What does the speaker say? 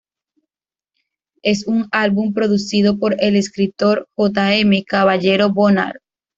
Es un álbum producido por el escritor J. M. Caballero Bonald.